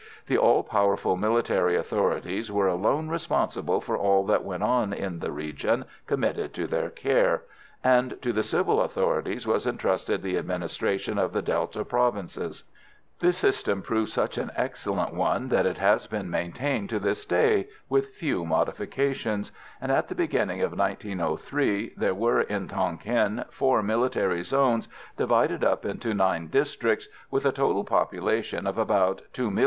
The all powerful military authorities were alone responsible for all that went on in the region committed to their care, and to the civil authorities was entrusted the administration of the Delta provinces. This system proved such an excellent one that it has been maintained to this day, with few modifications; and at the beginning of 1903 there were, in Tonquin, four military zones divided up into nine districts, with a total population of about 2,000,000, and a superficial area of 20,000 square miles.